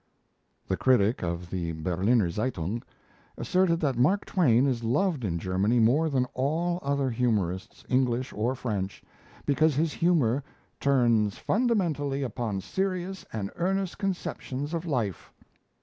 The critic of the 'Berliner Zeitung' asserted that Mark Twain is loved in Germany more than all other humorists, English or French, because his humour "turns fundamentally upon serious and earnest conceptions of life."